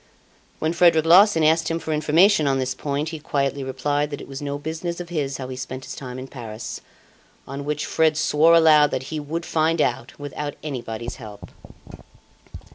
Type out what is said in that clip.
When Frederic Larsan asked him for information on this point, he quietly replied that it was no business of his how he spent his time in Paris. On which Fred swore aloud that he would find out, without anybody's help.